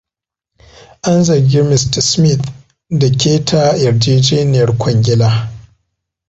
An zargi Mista Smith da keta yarjejeniyar kwangila.